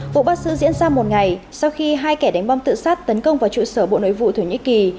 vụ bắt giữ diễn ra một ngày sau khi hai kẻ đánh bom tự sát tấn công vào trụ sở bộ nội vụ thổ nhĩ kỳ